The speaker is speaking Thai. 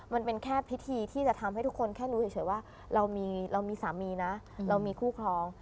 มันเป็นแค่พิธีที่จะทำให้ทุกคนแค่รู้เฉยว่าเรามีสามีนะเรามีคู่ครอง